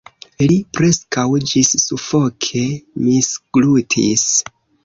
Li preskaŭ ĝissufoke misglutis.